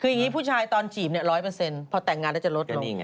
คือยังงี้ผู้ชายตอนจีบเนี่ย๑๐๐พอแต่งงานแล้วจะลดหนึ่ง